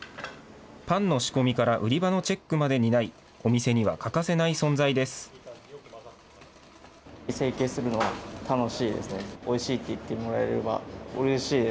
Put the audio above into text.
パンの仕込みから売り場のチェックまで担い、お店には欠かせない存在です。